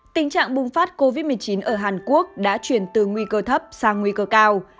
tình trạng bùng phát covid một mươi chín ở hàn quốc đã chuyển từ nguy cơ thấp sang nguy cơ cao